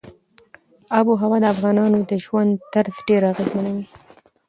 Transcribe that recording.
آب وهوا د افغانانو د ژوند طرز ډېر اغېزمنوي.